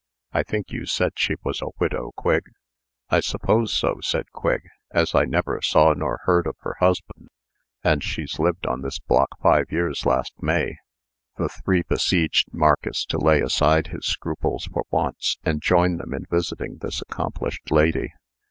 I think you said she was a widow, Quigg?" "I suppose so," said Quigg, "as I never saw nor heard of her husband; and she's lived on this block five years last May." The three besieged Marcus to lay aside his scruples for once, and join them in visiting this accomplished lady.